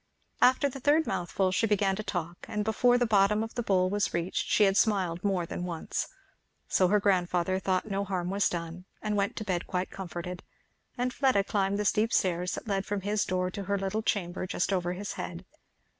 After the third mouthful she began to talk, and before the bottom of the bowls was reached she had smiled more than once. So her grandfather thought no harm was done, and went to bed quite comforted; and Fleda climbed the steep stairs that led from his door to her little chamber just over his head.